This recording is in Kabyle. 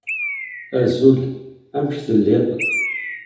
Azul. Amek telliḍ?